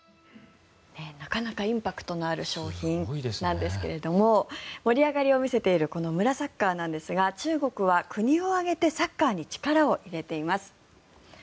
なかなかインパクトのある賞品なんですが盛り上がりを見せている村サッカーなんですが中国は国を挙げてサッカーに力を入れています。